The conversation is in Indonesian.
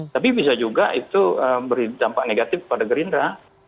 tapi bisa juga itu berdampak negatif pada gerindra